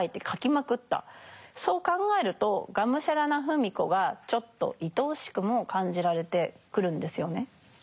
そう考えるとがむしゃらな芙美子がちょっと愛おしくも感じられてくるんですよね。